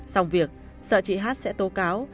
xong việc sợ chị hát sẽ tố cáo